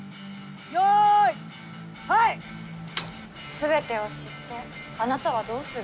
すべてを知ってあなたはどうする？